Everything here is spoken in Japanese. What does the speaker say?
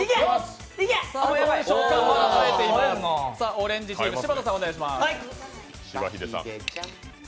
オレンジチーム、柴田さん、お願いします